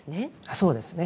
そうですね。